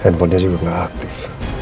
handphone dia juga gak aktif